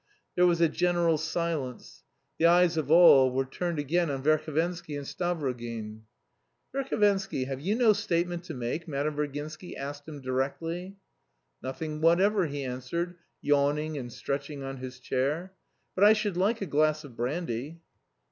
There was a general silence. The eyes of all were turned again on Verhovensky and Stavrogin. "Verhovensky, have you no statement to make?" Madame Virginsky asked him directly. "Nothing whatever," he answered, yawning and stretching on his chair. "But I should like a glass of brandy."